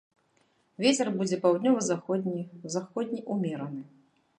Вецер будзе паўднёва-заходні, заходні ўмераны.